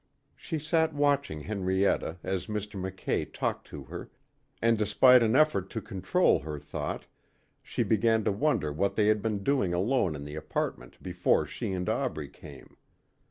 She sat watching Henrietta as Mr. Mackay talked to her and despite an effort to control her thought, she began to wonder what they had been doing alone in the apartment before she and Aubrey came.